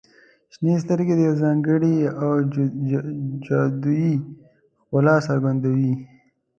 • شنې سترګې د یو ځانګړي او جادويي ښکلا څرګندوي.